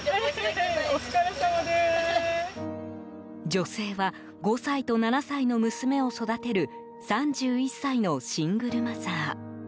女性は５歳と７歳の娘を育てる３１歳のシングルマザー。